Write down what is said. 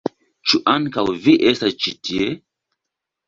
Ĉu ankaŭ vi estas ĉi tie?